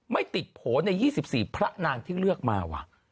ไม่ติดโผล่ใน๒๔พระนางที่เลือกมาว่ะ